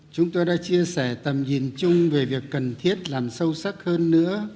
chúng tôi đã chia sẻ tầm nhìn chung về việc cần thiết làm sâu sắc hơn nữa